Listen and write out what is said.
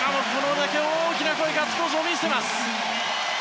大きな声、ガッツポーズも見せています。